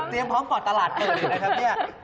เตรียมพร้อมก่อนตลาดคืออะไรนะครับ